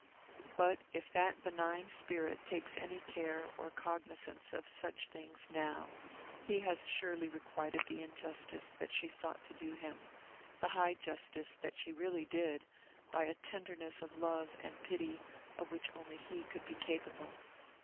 But if that benign spirit takes any care or cognizance of such things now, he has surely requited the injustice that she sought to do him the high justice that she really did by a tenderness of love and pity of which only he could be capable.